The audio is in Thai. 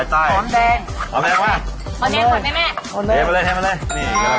อุ้ยไขยุมมะม่วง